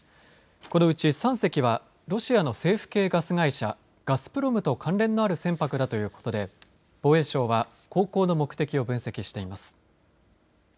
このうち３隻はロシアの政府系ガス会社ガスプロムと関連のある船舶だということで防衛省は航行の目的を分析しています。